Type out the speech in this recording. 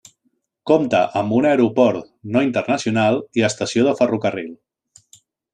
Compta amb un aeroport no internacional i estació de ferrocarril.